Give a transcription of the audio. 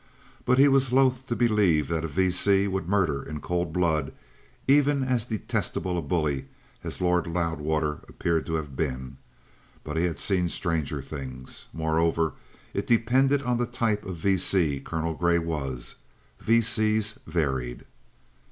He was loth to believe that a V.C. would murder in cold blood even as detestable a bully as the Lord Loudwater appeared to have been. But he had seen stranger things. Moreover, it depended on the type of V.C. Colonel Grey was. V.C.s varied.